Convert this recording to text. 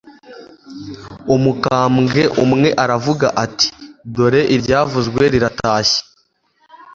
umukambwe umwe aravuga ati « dore iryavuzwe riratashye